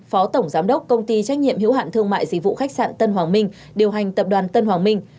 phó tổng giám đốc công ty trách nhiệm hiếu hạn thương mại dịch vụ khách sạn tân hoàng minh điều hành tập đoàn tân hoàng minh